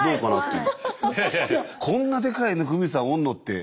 いやこんなでかい温水さんおんのって。